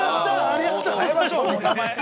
ありがとうございます。